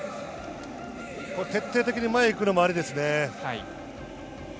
徹底的に前に行くのもありですね。